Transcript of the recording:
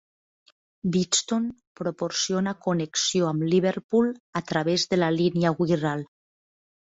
Bidston proporciona connexió amb Liverpool a través de la línia Wirral.